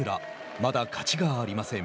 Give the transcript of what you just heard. まだ勝ちがありません。